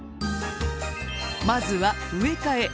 まずは植え替え。